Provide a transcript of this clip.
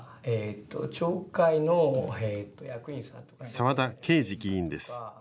沢田圭司議員です。